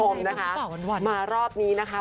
นำใหม่วิการ๒๐๒๕